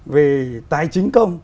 về tài chính công